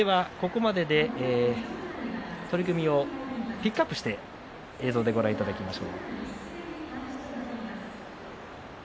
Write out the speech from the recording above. ここまでの取組をピックアップして映像でご覧いただきます。